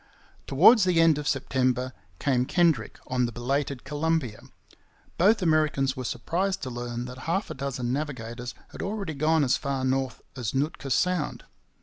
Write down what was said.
Towards the end of September came Kendrick on the belated Columbia. Both Americans were surprised to learn that half a dozen navigators had already gone as far north as Nootka Sound.